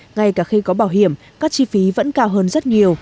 ngay cả khi có bảo hiểm các chi phí vẫn cao hơn rất nhiều